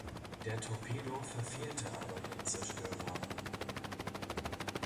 Der Torpedo verfehlte aber den Zerstörer.